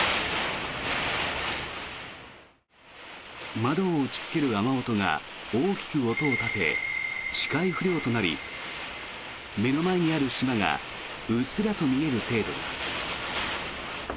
窓を打ちつける雨音が大きく音を立て視界不良となり目の前にある島がうっすらと見える程度に。